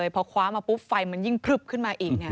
พอคว้ามาฟุวฟไตมันยิ่งเผลืบขึ้นมาอีก